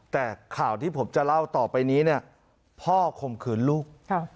แต่ข่าวที่ผมจะเล่าต่อไปนี้เนี่ยพ่อข่มขืนลูก